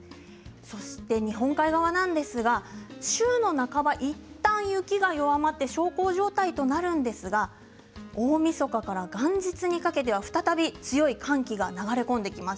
そして日本海側なんですが週の半ば、いったん雪が弱まって小康状態となるんですが大みそかから元日にかけては再び強い寒気が流れ込んできます。